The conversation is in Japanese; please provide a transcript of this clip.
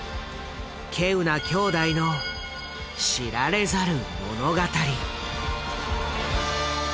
希有な兄弟の知られざる物語。